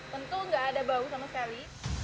tentu nggak ada bau sama sekali